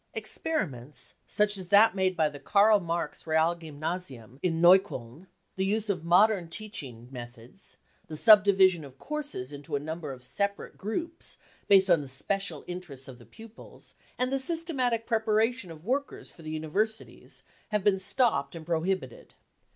Experiments such as that made by the Karl Marx Realgymnasium in Neukolln — the use of modern teaching methods, the subdivision of courses into a number of separate groups based on the special interest of the pupils, and the#systematic preparation of workers for the univer sities — have been stopped and prohibited.